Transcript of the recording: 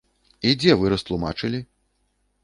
І дзе вы растлумачылі?